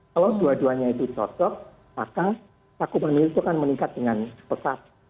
kalau dua duanya itu cocok maka cakupan itu akan meningkat dengan pesat